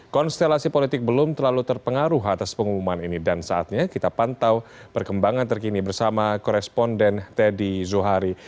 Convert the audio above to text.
konstelasi politik belum terlalu terpengaruh atas pengumuman ini dan saatnya kita pantau perkembangan terkini bersama koresponden teddy zuhari